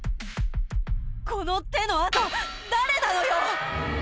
この手の跡誰なのよ